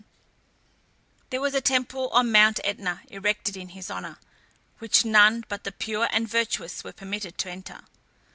There was a temple on Mount Etna erected in his honour, which none but the pure and virtuous were permitted to enter.